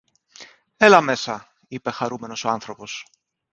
Έλα μέσα, είπε χαρούμενος ο άνθρωπος.